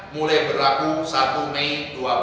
mulai berlaku satu mei dua ribu dua puluh